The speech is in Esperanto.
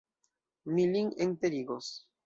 Mi lin enterigos.